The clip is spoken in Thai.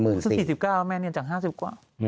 ซึ่ง๔๙แม่เนียนจาก๕๐กว่า